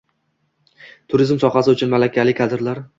Turizm sohasi uchun malakali kadrlar